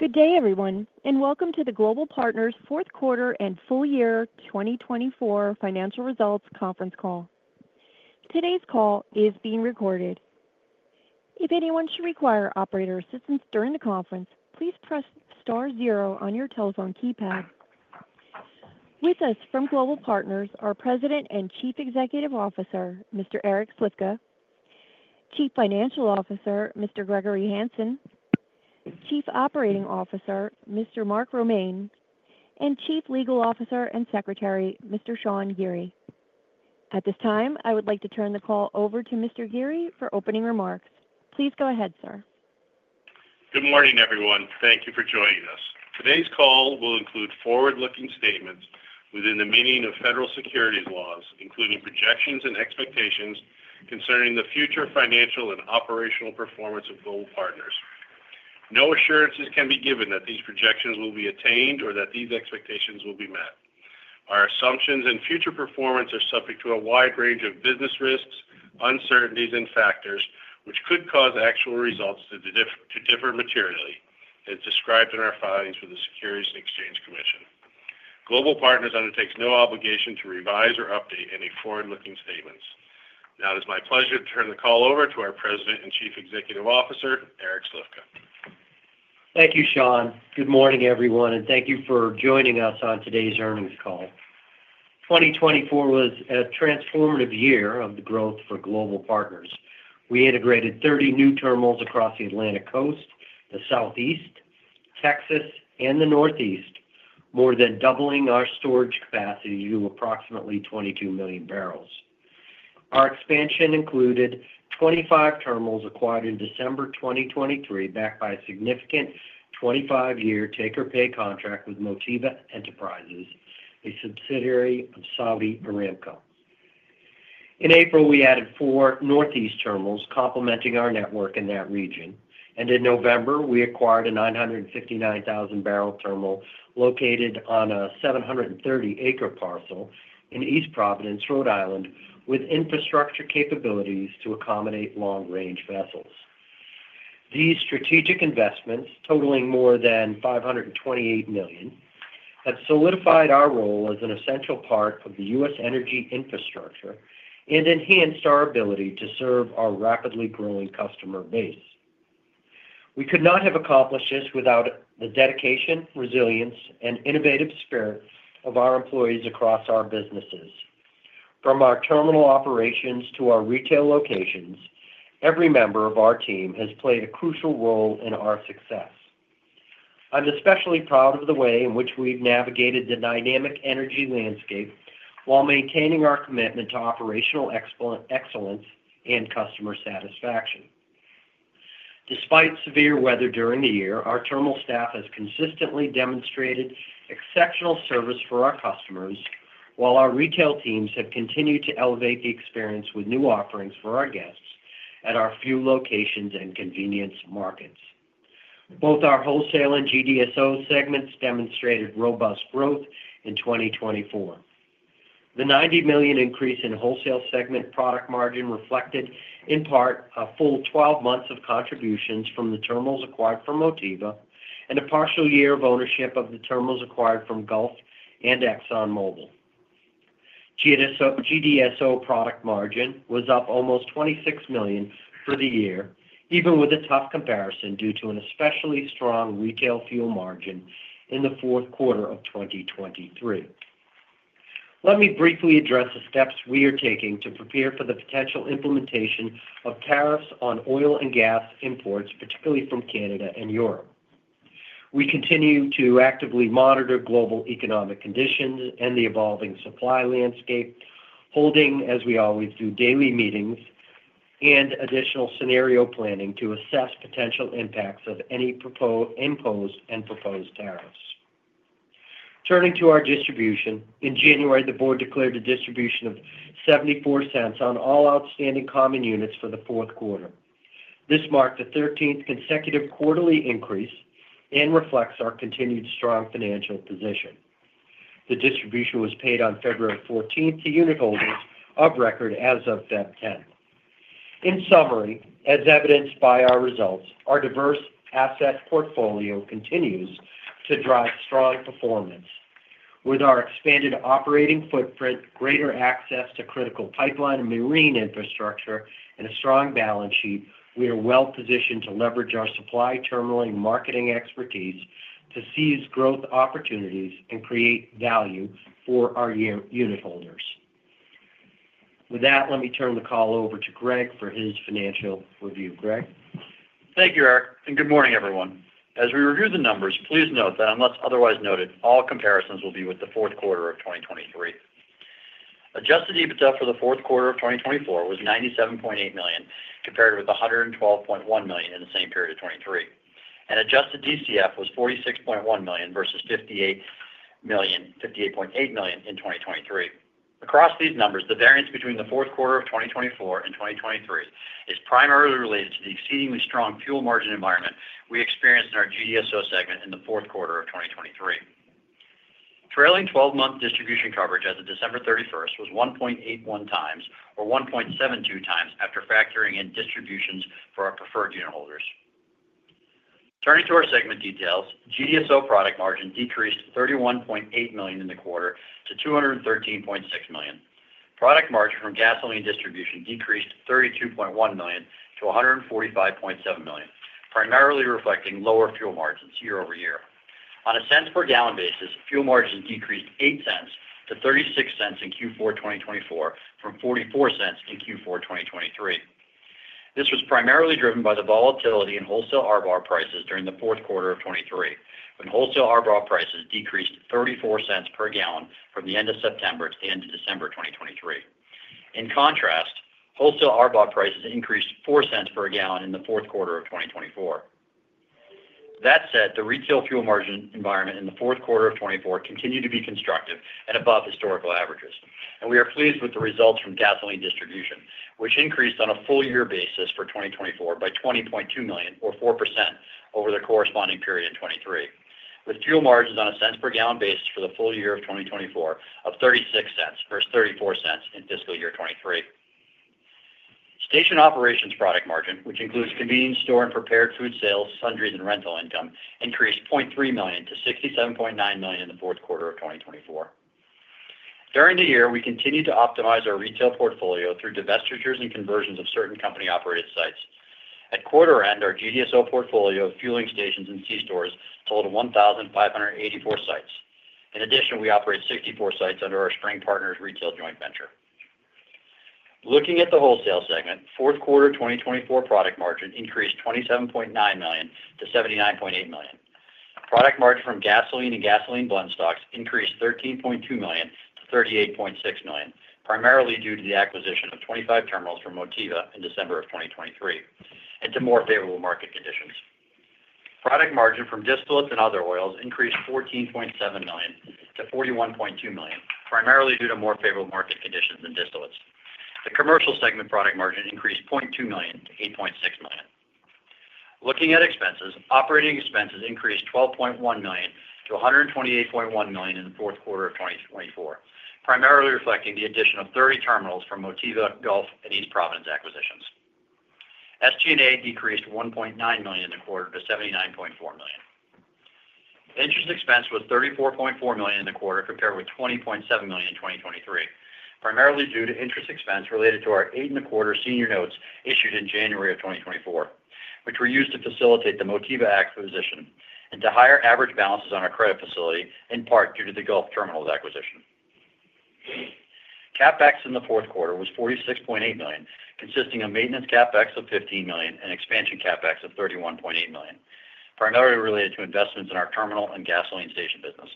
Good day, everyone, and welcome to the Global Partners Fourth Quarter and Full Year 2024 Financial Results Conference Call. Today's call is being recorded. If anyone should require operator assistance during the conference, please press star zero on your telephone keypad. With us from Global Partners are President and Chief Executive Officer, Mr. Eric Slifka; Chief Financial Officer, Mr. Gregory Hanson; Chief Operating Officer, Mr. Mark Romain; and Chief Legal Officer and Secretary, Mr. Sean Geary. At this time, I would like to turn the call over to Mr. Geary for opening remarks. Please go ahead, sir. Good morning, everyone. Thank you for joining us. Today's call will include forward-looking statements within the meaning of federal securities laws, including projections and expectations concerning the future financial and operational performance of Global Partners. No assurances can be given that these projections will be attained or that these expectations will be met. Our assumptions and future performance are subject to a wide range of business risks, uncertainties, and factors which could cause actual results to differ materially, as described in our filings for the Securities and Exchange Commission. Global Partners undertakes no obligation to revise or update any forward-looking statements. Now, it is my pleasure to turn the call over to our President and Chief Executive Officer, Eric Slifka. Thank you, Sean. Good morning, everyone, and thank you for joining us on today's earnings call. 2024 was a transformative year of growth for Global Partners. We integrated 30 new terminals across the Atlantic Coast, the Southeast, Texas, and the Northeast, more than doubling our storage capacity to approximately 22 million barrels. Our expansion included 25 terminals acquired in December 2023, backed by a significant 25-year take-or-pay contract with Motiva Enterprises, a subsidiary of Saudi Aramco. In April, we added four Northeast terminals, complementing our network in that region. In November, we acquired a 959,000-barrel terminal located on a 730-acre parcel in East Providence, Rhode Island, with infrastructure capabilities to accommodate long-range vessels. These strategic investments, totaling more than $528 million, have solidified our role as an essential part of the U.S. energy infrastructure and enhanced our ability to serve our rapidly growing customer base. We could not have accomplished this without the dedication, resilience, and innovative spirit of our employees across our businesses. From our terminal operations to our retail locations, every member of our team has played a crucial role in our success. I'm especially proud of the way in which we've navigated the dynamic energy landscape while maintaining our commitment to operational excellence and customer satisfaction. Despite severe weather during the year, our terminal staff has consistently demonstrated exceptional service for our customers, while our retail teams have continued to elevate the experience with new offerings for our guests at our fuel locations and convenience markets. Both our wholesale and GDSO segments demonstrated robust growth in 2024. The $90 million increase in wholesale segment product margin reflected, in part, a full 12 months of contributions from the terminals acquired from Motiva and a partial year of ownership of the terminals acquired from Gulf and ExxonMobil. GDSO product margin was up almost $26 million for the year, even with a tough comparison due to an especially strong retail fuel margin in the fourth quarter of 2023. Let me briefly address the steps we are taking to prepare for the potential implementation of tariffs on oil and gas imports, particularly from Canada and Europe. We continue to actively monitor global economic conditions and the evolving supply landscape, holding, as we always do, daily meetings and additional scenario planning to assess potential impacts of any imposed and proposed tariffs. Turning to our distribution, in January, the board declared a distribution of $0.74 on all outstanding common units for the fourth quarter. This marked the 13th consecutive quarterly increase and reflects our continued strong financial position. The distribution was paid on February 14 to unit holders of record as of February 10. In summary, as evidenced by our results, our diverse asset portfolio continues to drive strong performance. With our expanded operating footprint, greater access to critical pipeline and marine infrastructure, and a strong balance sheet, we are well positioned to leverage our supply terminal and marketing expertise to seize growth opportunities and create value for our unit holders. With that, let me turn the call over to Greg for his financial review. Greg? Thank you, Eric. Good morning, everyone. As we review the numbers, please note that unless otherwise noted, all comparisons will be with the fourth quarter of 2023. Adjusted EBITDA for the fourth quarter of 2024 was $97.8 million, compared with $112.1 million in the same period of 2023. Adjusted DCF was $46.1 million versus $58.8 million in 2023. Across these numbers, the variance between the fourth quarter of 2024 and 2023 is primarily related to the exceedingly strong fuel margin environment we experienced in our GDSO segment in the fourth quarter of 2023. Trailing 12-month distribution coverage as of December 31 was 1.81 times, or 1.72 times after factoring in distributions for our preferred unit holders. Turning to our segment details, GDSO product margin decreased $31.8 million in the quarter to $213.6 million. Product margin from gasoline distribution decreased $32.1 million to $145.7 million, primarily reflecting lower fuel margins year over year. On a cents per gallon basis, fuel margin decreased 8 cents to 36 cents in Q4 2024 from 44 cents in Q4 2023. This was primarily driven by the volatility in wholesale Arbor prices during the fourth quarter of 2023, when wholesale Arbor prices decreased 34 cents per gallon from the end of September to the end of December 2023. In contrast, wholesale Arbor prices increased 4 cents per gallon in the fourth quarter of 2024. That said, the retail fuel margin environment in the fourth quarter of 2024 continued to be constructive and above historical averages. We are pleased with the results from gasoline distribution, which increased on a full-year basis for 2024 by $20.2 million, or 4%, over the corresponding period in 2023, with fuel margins on a cents per gallon basis for the full year of 2024 of $0.36 versus $0.34 in fiscal year 2023. Station operations product margin, which includes convenience store and prepared food sales, sundries, and rental income, increased $0.3 million to $67.9 million in the fourth quarter of 2024. During the year, we continued to optimize our retail portfolio through divestitures and conversions of certain company-operated sites. At quarter end, our GDSO portfolio of fueling stations and C-stores totaled 1,584 sites. In addition, we operate 64 sites under our Spring Partners retail joint venture. Looking at the wholesale segment, fourth quarter 2024 product margin increased $27.9 million to $79.8 million. Product margin from gasoline and gasoline blend stocks increased $13.2 million to $38.6 million, primarily due to the acquisition of 25 terminals from Motiva in December of 2023 and to more favorable market conditions. Product margin from distillates and other oils increased $14.7 million to $41.2 million, primarily due to more favorable market conditions than distillates. The commercial segment product margin increased $0.2 million to $8.6 million. Looking at expenses, operating expenses increased $12.1 million to $128.1 million in the fourth quarter of 2024, primarily reflecting the addition of 30 terminals from Motiva, Gulf Oil, and East Providence acquisitions. SG&A decreased $1.9 million in the quarter to $79.4 million. Interest expense was $34.4 million in the quarter, compared with $20.7 million in 2023, primarily due to interest expense related to our eight-and-a-quarter senior notes issued in January of 2024, which were used to facilitate the Motiva acquisition and to higher average balances on our credit facility, in part due to the Gulf terminals acquisition. Capex in the fourth quarter was $46.8 million, consisting of maintenance capex of $15 million and expansion capex of $31.8 million, primarily related to investments in our terminal and gasoline station business.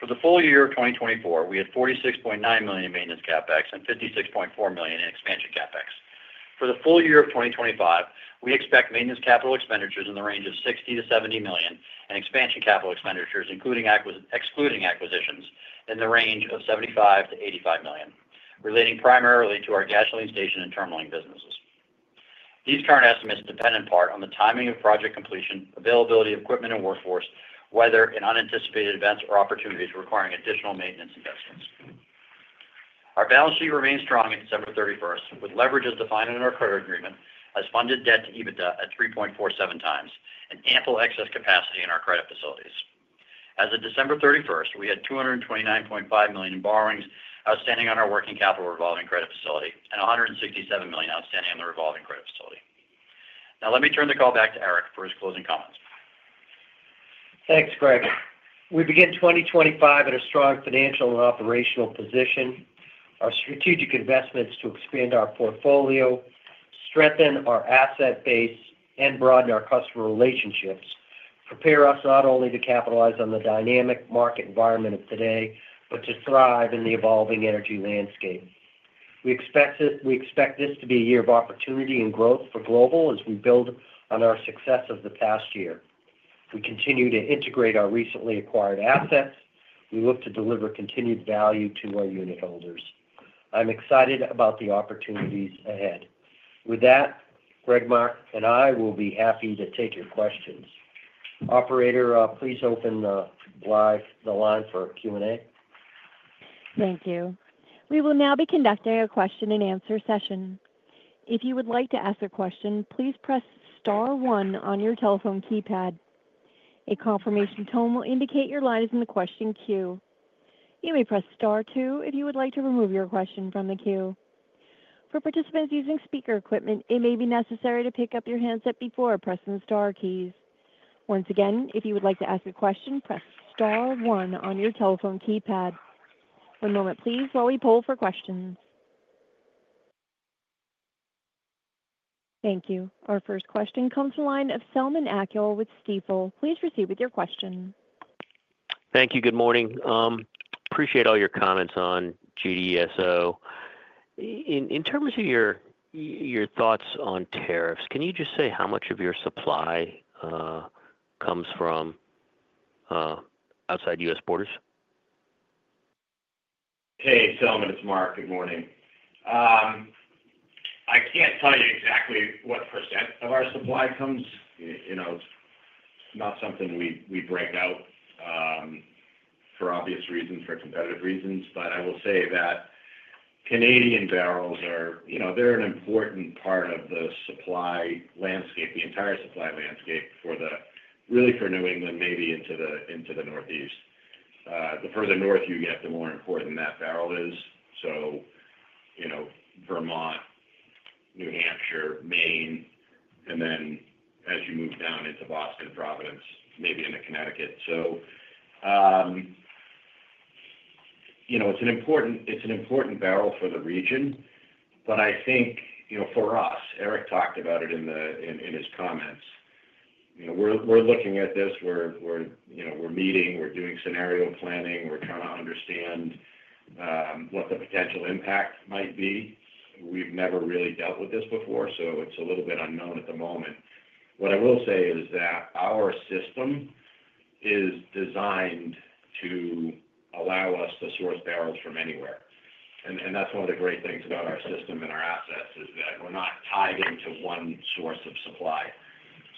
For the full year of 2024, we had $46.9 million in maintenance capex and $56.4 million in expansion capex. For the full year of 2025, we expect maintenance capital expenditures in the range of $60-$70 million and expansion capital expenditures, including excluding acquisitions, in the range of $75-$85 million, relating primarily to our gasoline station and terminaling businesses. These current estimates depend in part on the timing of project completion, availability of equipment and workforce, weather, and unanticipated events or opportunities requiring additional maintenance investments. Our balance sheet remains strong at December 31, with leverage as defined in our credit agreement as funded debt to EBITDA at 3.47 times and ample excess capacity in our credit facilities. As of December 31, we had $229.5 million in borrowings outstanding on our working capital revolving credit facility and $167 million outstanding on the revolving credit facility. Now, let me turn the call back to Eric for his closing comments. Thanks, Greg. We begin 2025 in a strong financial and operational position. Our strategic investments to expand our portfolio, strengthen our asset base, and broaden our customer relationships prepare us not only to capitalize on the dynamic market environment of today, but to thrive in the evolving energy landscape. We expect this to be a year of opportunity and growth for Global as we build on our success of the past year. We continue to integrate our recently acquired assets. We look to deliver continued value to our unit holders. I'm excited about the opportunities ahead. With that, Greg, Mark, and I will be happy to take your questions. Operator, please open the line for Q&A. Thank you. We will now be conducting a question-and-answer session. If you would like to ask a question, please press star one on your telephone keypad. A confirmation tone will indicate your line is in the question queue. You may press star two if you would like to remove your question from the queue. For participants using speaker equipment, it may be necessary to pick up your handset before pressing the star keys. Once again, if you would like to ask a question, press star one on your telephone keypad. One moment, please, while we pull for questions. Thank you. Our first question comes from the line of Selman Akyol with Stifel. Please proceed with your question. Thank you. Good morning. Appreciate all your comments on GDSO. In terms of your thoughts on tariffs, can you just say how much of your supply comes from outside U.S. borders? Hey, Selman, it's Mark. Good morning. I can't tell you exactly what % of our supply comes. It's not something we break out for obvious reasons, for competitive reasons. I will say that Canadian barrels, they're an important part of the supply landscape, the entire supply landscape, really for New England, maybe into the Northeast. The further north you get, the more important that barrel is. Vermont, New Hampshire, Maine, and then as you move down into Boston and Providence, maybe into Connecticut. It's an important barrel for the region. I think for us, Eric talked about it in his comments. We're looking at this. We're meeting. We're doing scenario planning. We're trying to understand what the potential impact might be. We've never really dealt with this before, so it's a little bit unknown at the moment. What I will say is that our system is designed to allow us to source barrels from anywhere. That is one of the great things about our system and our assets is that we are not tied into one source of supply.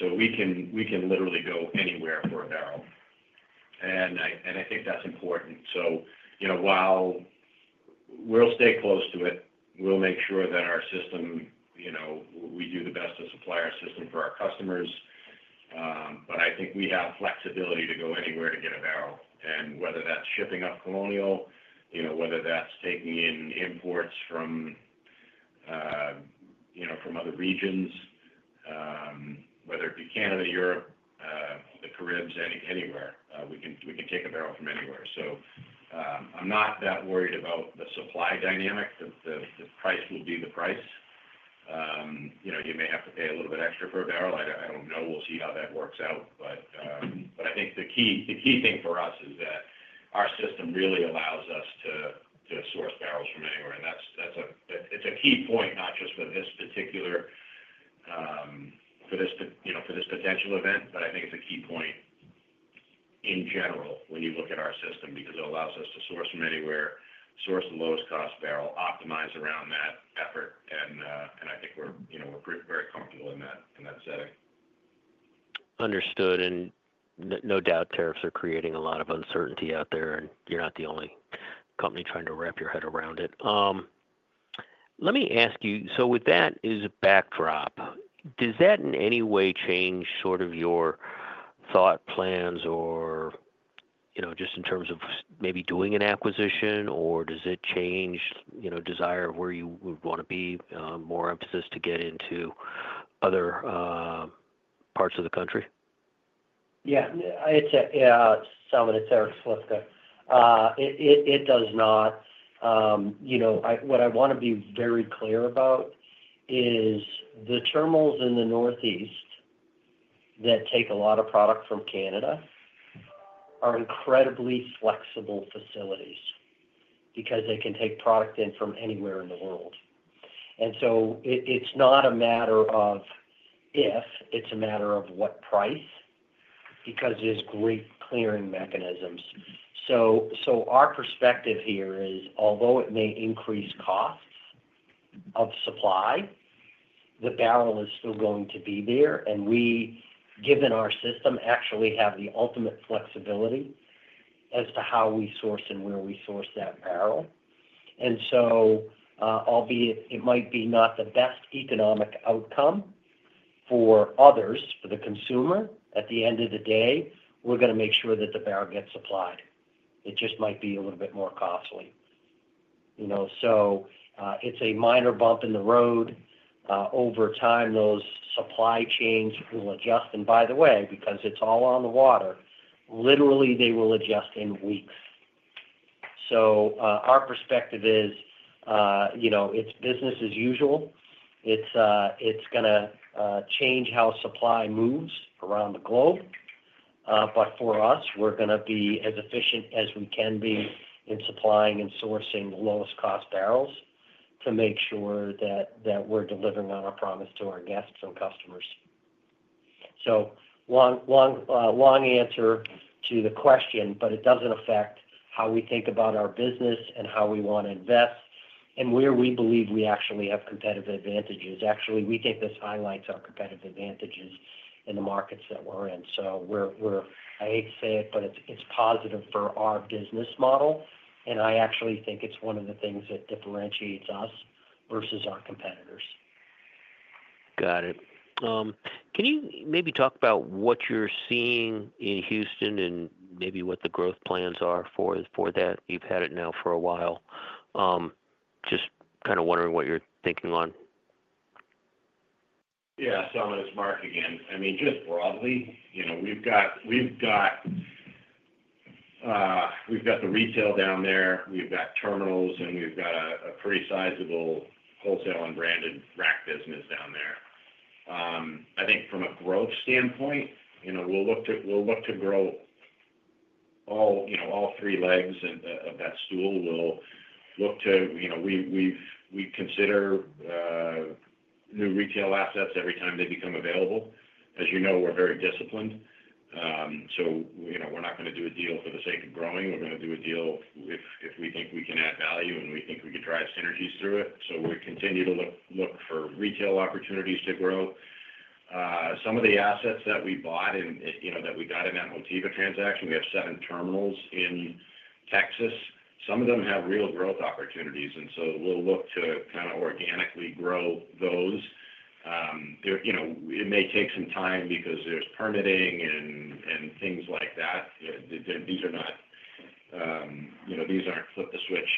We can literally go anywhere for a barrel. I think that is important. While we will stay close to it, we will make sure that our system, we do the best to supply our system for our customers. I think we have flexibility to go anywhere to get a barrel. Whether that is shipping up Colonial, whether that is taking in imports from other regions, whether it be Canada, Europe, the Caribs, anywhere, we can take a barrel from anywhere. I am not that worried about the supply dynamic. The price will be the price. You may have to pay a little bit extra for a barrel. I don't know. We'll see how that works out. I think the key thing for us is that our system really allows us to source barrels from anywhere. It's a key point, not just for this particular, for this potential event, but I think it's a key point in general when you look at our system because it allows us to source from anywhere, source the lowest cost barrel, optimize around that effort. I think we're very comfortable in that setting. Understood. No doubt tariffs are creating a lot of uncertainty out there, and you're not the only company trying to wrap your head around it. Let me ask you, with that as a backdrop, does that in any way change sort of your thought plans or just in terms of maybe doing an acquisition, or does it change desire of where you would want to be more emphasis to get into other parts of the country? Yeah. Selman, it's Eric Slifka. It does not. What I want to be very clear about is the terminals in the Northeast that take a lot of product from Canada are incredibly flexible facilities because they can take product in from anywhere in the world. It is not a matter of if. It is a matter of what price because there are great clearing mechanisms. Our perspective here is, although it may increase costs of supply, the barrel is still going to be there. We, given our system, actually have the ultimate flexibility as to how we source and where we source that barrel. Albeit it might be not the best economic outcome for others, for the consumer, at the end of the day, we are going to make sure that the barrel gets supplied. It just might be a little bit more costly. It is a minor bump in the road. Over time, those supply chains will adjust. By the way, because it is all on the water, literally, they will adjust in weeks. Our perspective is it is business as usual. It is going to change how supply moves around the globe. For us, we are going to be as efficient as we can be in supplying and sourcing the lowest cost barrels to make sure that we are delivering on our promise to our guests and customers. Long answer to the question, but it does not affect how we think about our business and how we want to invest and where we believe we actually have competitive advantages. Actually, we think this highlights our competitive advantages in the markets that we are in. I hate to say it, but it is positive for our business model. I actually think it's one of the things that differentiates us versus our competitors. Got it. Can you maybe talk about what you're seeing in Houston and maybe what the growth plans are for that? You've had it now for a while. Just kind of wondering what you're thinking on. Yeah. Selman, it's Mark again. I mean, just broadly, we've got the retail down there. We've got terminals, and we've got a pretty sizable wholesale and branded rack business down there. I think from a growth standpoint, we'll look to grow all three legs of that stool. We'll look to, we consider new retail assets every time they become available. As you know, we're very disciplined. We're not going to do a deal for the sake of growing. We're going to do a deal if we think we can add value and we think we can drive synergies through it. We continue to look for retail opportunities to grow. Some of the assets that we bought and that we got in that Motiva transaction, we have seven terminals in Texas. Some of them have real growth opportunities. We'll look to kind of organically grow those. It may take some time because there's permitting and things like that. These are not flip-the-switch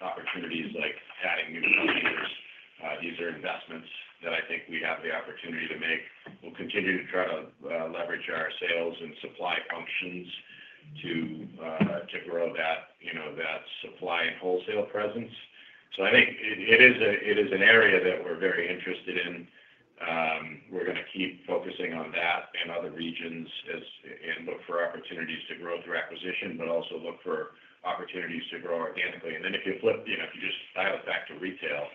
opportunities like adding new customers. These are investments that I think we have the opportunity to make. We'll continue to try to leverage our sales and supply functions to grow that supply and wholesale presence. I think it is an area that we're very interested in. We're going to keep focusing on that and other regions and look for opportunities to grow through acquisition, but also look for opportunities to grow organically. If you just dial it back to retail,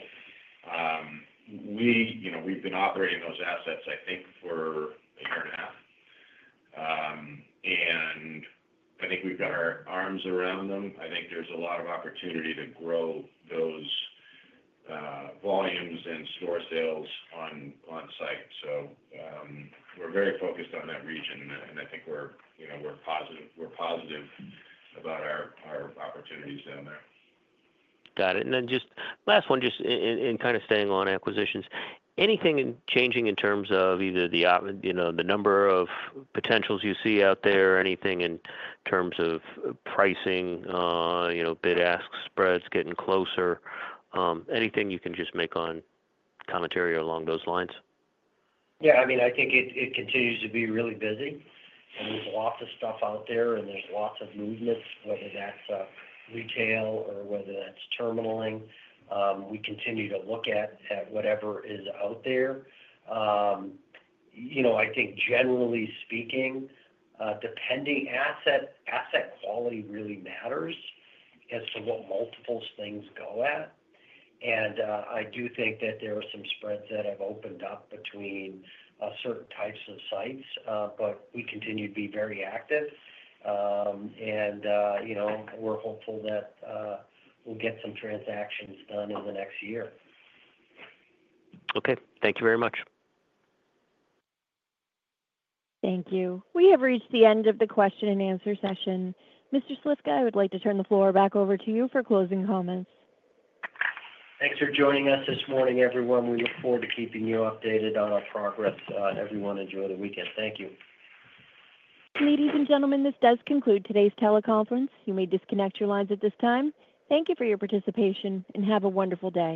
we've been operating those assets, I think, for a year and a half. I think we've got our arms around them. I think there's a lot of opportunity to grow those volumes and store sales on site. We're very focused on that region, and I think we're positive about our opportunities down there. Got it. Just last one, just in kind of staying on acquisitions, anything changing in terms of either the number of potentials you see out there or anything in terms of pricing, bid-ask spreads getting closer? Anything you can just make on commentary along those lines? Yeah. I mean, I think it continues to be really busy. I mean, there is lots of stuff out there, and there is lots of movements, whether that is retail or whether that is terminaling. We continue to look at whatever is out there. I think, generally speaking, depending, asset quality really matters as to what multiples things go at. I do think that there are some spreads that have opened up between certain types of sites, but we continue to be very active. We are hopeful that we will get some transactions done in the next year. Okay. Thank you very much. Thank you. We have reached the end of the question-and-answer session. Mr. Slifka, I would like to turn the floor back over to you for closing comments. Thanks for joining us this morning, everyone. We look forward to keeping you updated on our progress. Everyone, enjoy the weekend. Thank you. Ladies and gentlemen, this does conclude today's teleconference. You may disconnect your lines at this time. Thank you for your participation, and have a wonderful day.